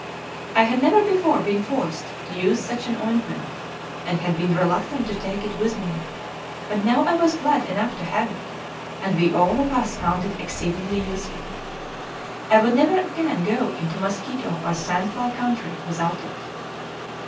I had never before been forced to use such an ointment, and had been reluctant to take it with me; but now I was glad enough to have it, and we all of us found it exceedingly useful. I would never again go into mosquito or sand fly country without it.